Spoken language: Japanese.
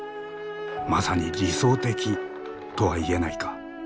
まさに理想的とは言えないか。